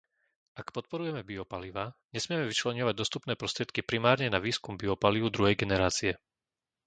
Ak podporujeme biopalivá, nesmieme vyčleňovať dostupné prostriedky primárne na výskum biopalív druhej generácie.